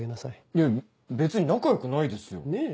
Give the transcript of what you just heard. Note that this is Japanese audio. いや別に仲良くないですよ。ねぇ？